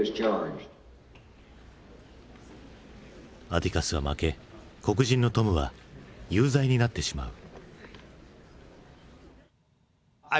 アティカスは負け黒人のトムは有罪になってしまう。